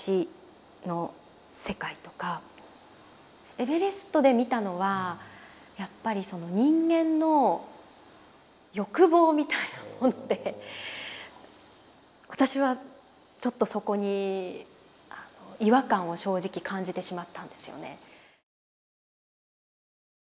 エベレストで見たのはやっぱりその人間の欲望みたいなもので私はちょっとそこに違和感を正直感じてしまったんですよね。